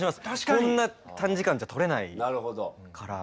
こんな短時間じゃ撮れないから。